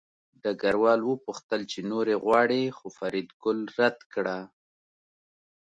ډګروال وپوښتل چې نورې غواړې خو فریدګل رد کړه